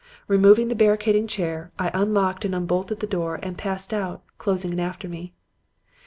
Removing the barricading chair, I unlocked and unbolted the door and passed out, closing it after me.